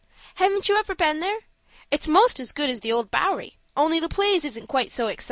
Haven't you ever been there? It's most as good as the Old Bowery, only the plays isn't quite so excitin'."